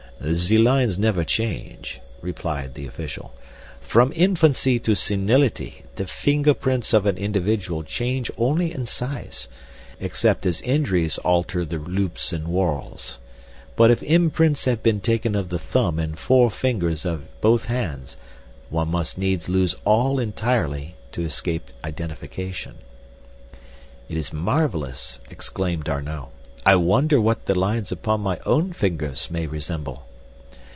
"The lines never change," replied the official. "From infancy to senility the fingerprints of an individual change only in size, except as injuries alter the loops and whorls. But if imprints have been taken of the thumb and four fingers of both hands one must needs lose all entirely to escape identification." "It is marvelous," exclaimed D'Arnot. "I wonder what the lines upon my own fingers may resemble."